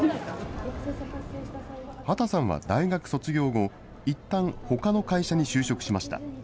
畑さんは大学卒業後、いったんほかの会社に就職しました。